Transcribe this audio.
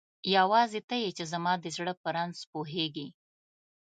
یواځی ته یی چی زما د زړه په رنځ پوهیږی